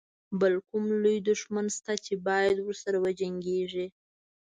بل کوم لوی دښمن شته چې باید ورسره وجنګيږي.